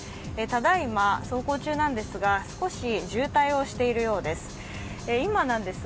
ただいま走行中なんですが、少し渋滞をしているようです。